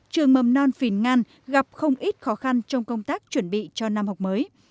trường mầm non phìn ngan gặp không ít khó khăn trong công tác chuẩn bị cho năm học mới